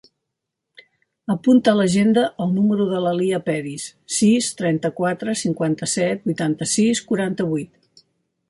Apunta a l'agenda el número de la Lya Peris: sis, trenta-quatre, cinquanta-set, vuitanta-sis, quaranta-vuit.